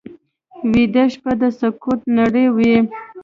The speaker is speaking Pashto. ویده شپه د سکوت نړۍ وي